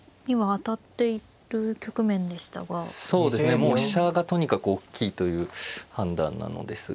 もう飛車がとにかく大きいという判断なのですが。